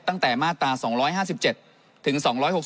ตั้งแต่มาตรา๒๕๗ถึง๒๖๖